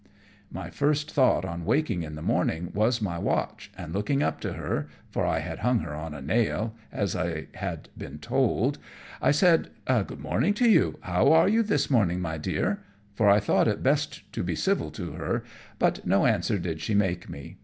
My first thought on waking in the morning was my watch, and looking up to her, for I had hung her on a nail, as I had been told, I said, "Good morning to you, how are you this morning, my dear?" for I thought it best to be civil to her, but no answer did she make me.